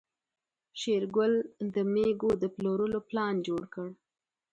شېرګل د مېږو د پلورلو پلان جوړ کړ.